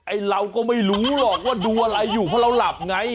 เราก็ไม่รู้หรอกว่าดูอะไรอยู่เพราะเราหลับไง